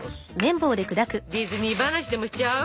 ディズニー話でもしちゃう？